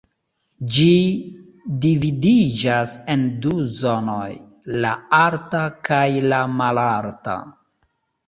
Ĝi dividiĝas en du zonoj: la alta kaj la malalta.